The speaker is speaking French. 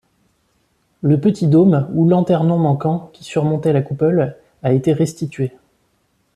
Le petit dôme ou lanternon manquant qui surmontait la coupole a été restitué.